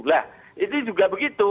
lah itu juga begitu